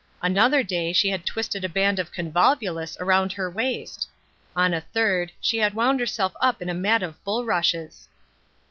Another day she had twisted a band of convolvulus around her waist. On a third she had wound herself up in a mat of bulrushes.